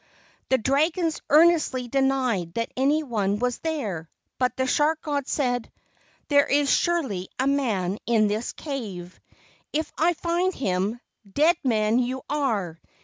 The dragons earnestly denied that any one was there, but the shark god said, " There is surely a man in this cave. If I find him, dead men you are.